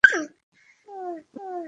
তুমি মজা নিচ্ছ?